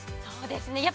そうですね。